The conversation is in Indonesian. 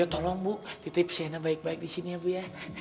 tolong bu titip cnn baik baik di sini ya bu ya